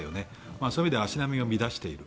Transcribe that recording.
そういう意味では足並みを乱している。